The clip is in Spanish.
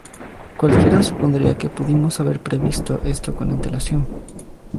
Cualquiera supondría que pudimos haber previsto esto con antelación.